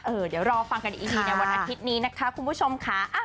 เดี๋ยวรอฟังกันอีกทีในวันอาทิตย์นี้นะคะคุณผู้ชมค่ะ